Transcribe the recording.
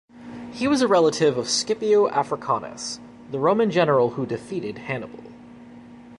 He was a relative of Scipio Africanus, the Roman general who defeated Hannibal.